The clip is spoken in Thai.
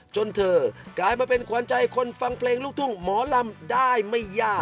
จนเธอกลายมาเป็นขวัญใจคนฟังเพลงลูกทุ่งหมอลำได้ไม่ยาก